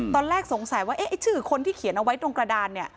ตอนแรกสงสัยว่าไอ้ชื่อคนที่เขียนเอาไว้ตรงกระดานเนี่ย